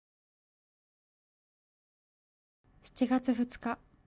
７月２日。